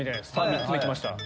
３つ目来ました。